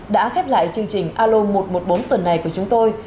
đã khép lại chương trình alo một trăm một mươi bốn tuần này của chúng tôi